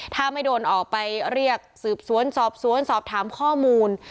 ถ้าไม่โดนออกไปเรียกสืบซ้วนซ้อบซ้วนทำข้อมูล